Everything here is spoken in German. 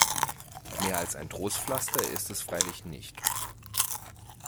Mehr als ein Trostpflaster ist es freilich nicht.